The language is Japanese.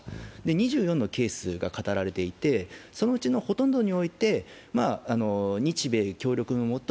２４のケースが語られていて、そのうちのほとんどにおいて日米協力のもと